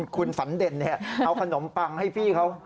คุณฝันเด่นเอาขนมปังให้พี่เขา